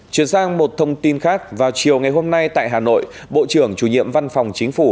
chuyển sang một thông tin khác vào chiều ngày hôm nay tại hà nội bộ trưởng chủ nhiệm văn phòng chính phủ